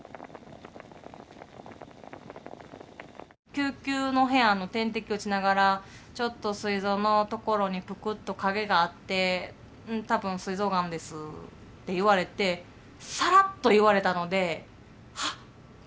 救急の部屋の点滴打ちながらちょっとすい臓のところにぷくっと影があってたぶんすい臓がんですって言われてさらっと言われたのではっ！